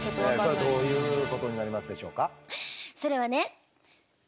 それはどういうことになりますでしょうか？